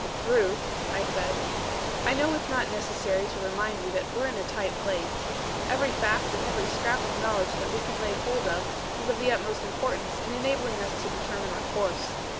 "Ruth," I said, "I know it's not necessary to remind you that we're in a tight place. Every fact and every scrap of knowledge that we can lay hold of is of the utmost importance in enabling us to determine our course.